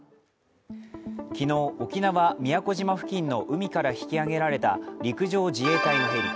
昨日、沖縄県宮古島付近の海から引き揚げられた陸上自衛隊のヘリ。